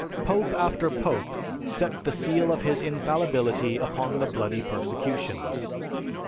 "Pope after pope set the seal of his infallibility upon the bloody persecutions.